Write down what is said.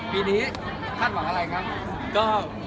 ปีนี้คาดหวังอะไรครับ